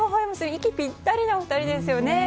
息ぴったりのお二人ですね。